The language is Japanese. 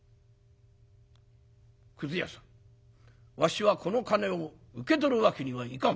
「くず屋さんわしはこの金を受け取るわけにはいかん」。